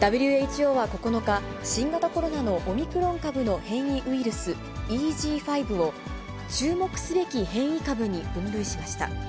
ＷＨＯは９日、新型コロナのオミクロン株の変異ウイルス、ＥＧ．５を注目すべき変異株に分類しました。